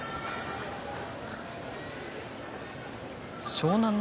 湘南乃